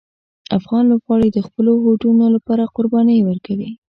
افغان لوبغاړي د خپلو هوډونو لپاره قربانۍ ورکوي.